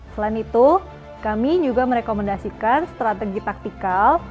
selain itu kami juga merekomendasikan strategi taktikal